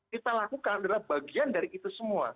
kita lakukan adalah bagian dari itu semua